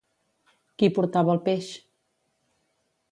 Qui portava el peix?